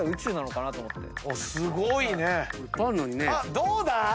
どうだ